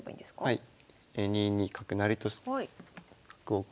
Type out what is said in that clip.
はい。